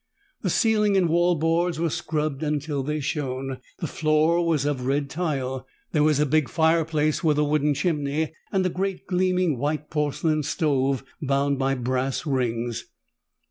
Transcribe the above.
The ceiling and wall boards were scrubbed until they shone; the floor was of red tile. There was a big fireplace with a wooden chimney and a great, gleaming white porcelain stove bound by brass rings.